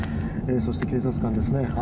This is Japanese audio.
そして警察官ですね。